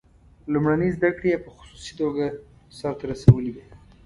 لومړنۍ زده کړې یې په خصوصي توګه سرته رسولې وې.